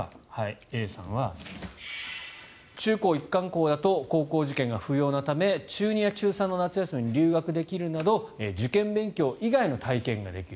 Ａさんは中高一貫校だと高校受験が不要のため中２や中３の夏休みに留学できるなど受験勉強以外の体験ができる。